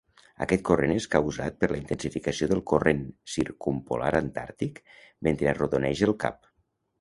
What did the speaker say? Aquest corrent és causat per la intensificació del Corrent Circumpolar Antàrtic mentre arrodoneix el cap.